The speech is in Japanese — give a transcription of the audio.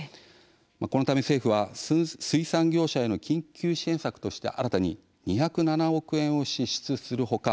このため政府は水産業者への緊急支援策として新たに２０７億円を支出する他